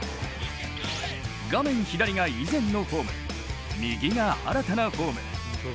画面左が以前のフォーム、右が新たなフォーム。